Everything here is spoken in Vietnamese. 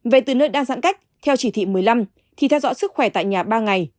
về từ nơi đa dạng cách theo chỉ thị một mươi năm thì theo dõi sức khỏe tại nhà ba ngày